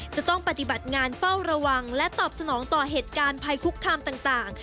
จะต้องปฏิบัติงานเฝ้าระวังและตอบสนองต่อเหตุการณ์ภัยคุกคามต่าง